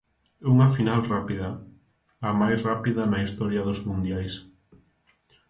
Unha final rápida, a máis rápida na historia dos mundiais.